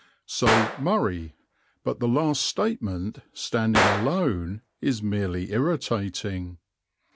So "Murray," but the last statement, standing alone, is merely irritating.